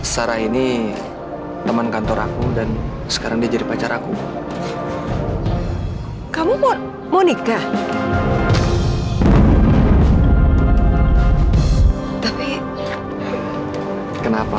sarah ini teman kantor aku dan sekarang dia jadi pacar aku kamu mau nikah tapi kenapa